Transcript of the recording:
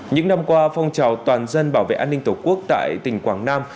những năm qua phong trào toàn dân bảo vệ an ninh tổ quốc tại tỉnh quảng nam